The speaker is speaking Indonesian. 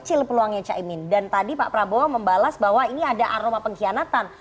ini ada aroma pengkhianatan